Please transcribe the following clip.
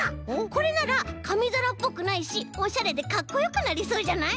これならかみざらっぽくないしおしゃれでかっこよくなりそうじゃない？